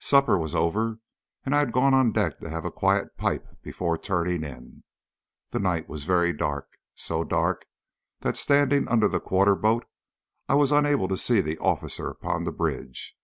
Supper was over, and I had gone on deck to have a quiet pipe before turning in. The night was very dark so dark that, standing under the quarter boat, I was unable to see the officer upon the bridge.